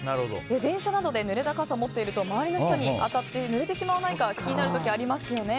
電車などでぬれた傘を持っていると周りの人に当たってぬれてしまわないか気になる時ありますよね。